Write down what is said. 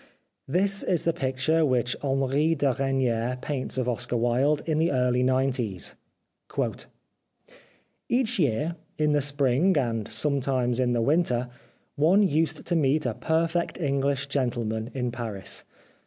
This is the picture which Henri de Regnier paints of Oscar Wilde in the early nineties :—" Each year, in the spring and sometimes in the winter, one used to meet a perfect English gentleman in Paris.